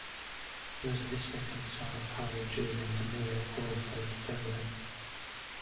He was the second son of Harry G. and Amelia Crawford Devlin.